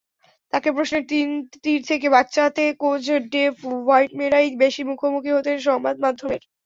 তাঁকে প্রশ্নের তির থেকে বাঁচাতে কোচ ডেভ হোয়াটমোরই বেশি মুখোমুখি হতেন সংবাদমাধ্যমের।